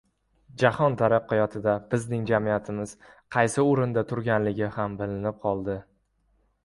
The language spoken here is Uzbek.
Jahon taraqqiyotida bizning jamiyatimiz qaysi o‘rinda turganligi ham bilinib qoldi.